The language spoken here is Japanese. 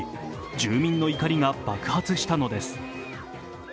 住民の怒りが爆発したのです。